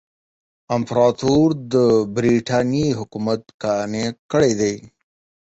امپراطور د برټانیې حکومت قانع کړی دی.